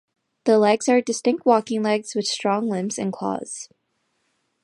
The legs are distinct walking legs, with strong limbs and claws.